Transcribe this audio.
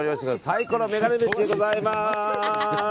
サイコロメガネ飯でございます！